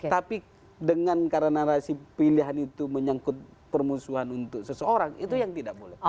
tapi dengan karena narasi pilihan itu menyangkut permusuhan untuk seseorang itu yang tidak boleh